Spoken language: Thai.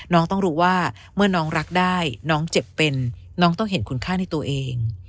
น้องต้องรู้ว่าเมื่อน้องรักได้น้องเจ็บเป็นน้องต้องเห็นคุณค่าในตัวเอง